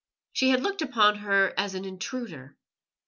She had looked upon her as an intruder.